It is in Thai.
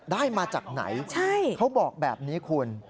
ได้มาจากไหนเขาบอกแบบนี้คุณ